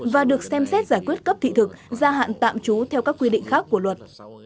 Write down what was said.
và được xem xét giải quyết cấp thị thực gia hạn tạm trú theo các quy định khác của luật